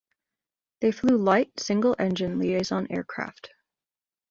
They flew light single engine liaison aircraft.